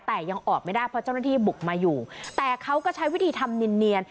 แต่ยังออกไม่ได้เพราะเจ้าหน้าที่บุกมาอยู่แต่เขาก็ใช้วิธีทำเนียน